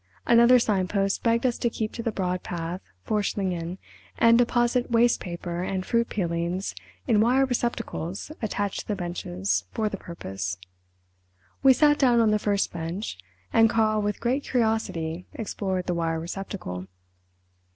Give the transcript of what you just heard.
Another signpost begged us to keep to the broad path for Schlingen and deposit waste paper and fruit peelings in wire receptacles attached to the benches for the purpose. We sat down on the first bench, and Karl with great curiosity explored the wire receptacle.